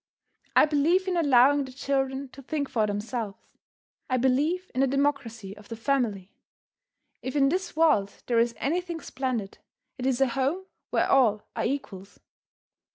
I believe in allowing the children to think for themselves. I believe in the democracy of the family. If in this world there is anything splendid, it is a home where all are equals.